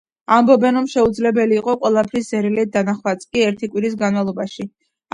ამბობდნენ, რომ შეუძლებელი იყო ყველაფრის ზერელედ დანახვაც კი ერთი კვირის განმავლობაში.